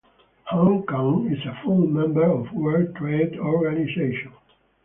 Hong Kong is a full Member of World Trade Organization.